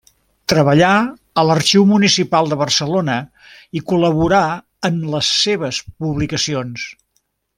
Treballà a l'Arxiu Municipal de Barcelona i col·laborà en les seves publicacions.